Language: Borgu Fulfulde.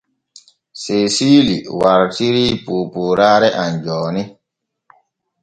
Seesiili wartirii poopooraare am jooni.